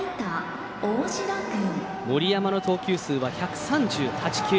森山の投球数は１３８球。